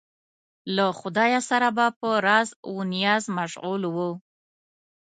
له خدایه سره به په راز و نیاز مشغول و.